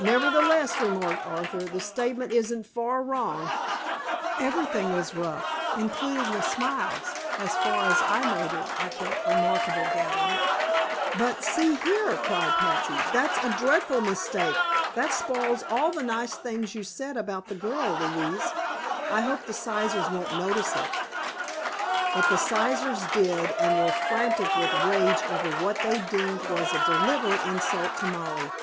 "Nevertheless," remarked Arthur, "the statement isn't far wrong. Everything was rough, including the smiles, as far as I noted that remarkable gathering." "But see here!" cried Patsy; "that's a dreadful mistake. That spoils all the nice things you said about the girl, Louise. I hope the Sizers won't notice it." But the Sizers did, and were frantic with rage over what they deemed was a deliberate insult to Molly.